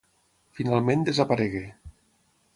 Finalment desaparegué.